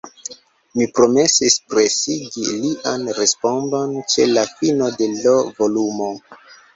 Mi promesis presigi lian respondon ĉe la fino de l' volumo.